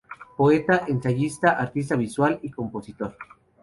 Poeta, ensayista, artista visual, y compositor.